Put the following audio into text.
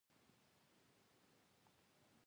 نه کور لرو نه جایداد